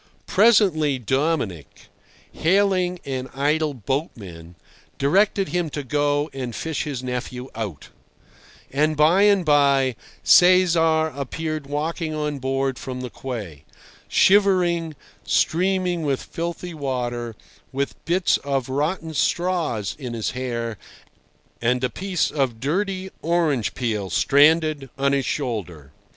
Presently Dominic, hailing an idle boatman, directed him to go and fish his nephew out; and by and by Cesar appeared walking on board from the quay, shivering, streaming with filthy water, with bits of rotten straws in his hair and a piece of dirty orange peel stranded on his shoulder.